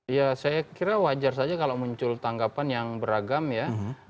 ya saya kira wajar saja kalau muncul tanggapan yang beragam ya